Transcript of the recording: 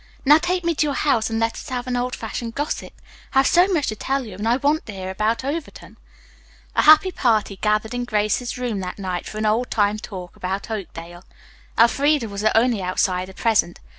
"Now take me to your house and let us have an old fashioned gossip. I have so much to tell you, and I want to hear about Overton." A happy party gathered in Grace's room that night for an old time talk about Oakdale. Elfreda was the only outsider present.